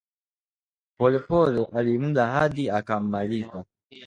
Polepole alimla hadi akammaliza